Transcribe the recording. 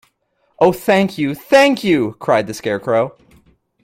Oh, thank you — thank you! cried the Scarecrow.